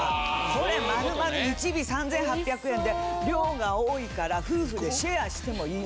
これ丸々１尾３８００円で量が多いから夫婦でシェアしてもいい。